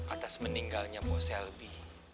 atas meninggalnya bu selvi